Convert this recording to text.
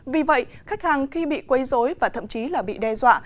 vì vậy khách hàng khi bị quấy dối và thậm chí là bị đe dọa